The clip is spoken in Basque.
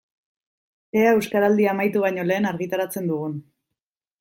Ea Euskaraldia amaitu baino lehen argitaratzen dugun.